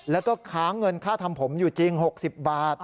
แล้วก็ค้างเงินค่าทำผมอยู่จริง๖๐บาท